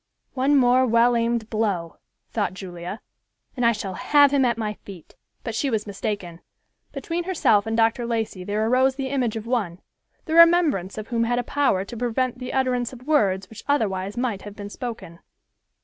"One more well aimed blow," thought Julia, "and I shall have him at my feet"; but she was mistaken. Between herself and Dr. Lacey there arose the image of one, the remembrance of whom had a power to prevent the utterance of words which otherwise might have been spoken.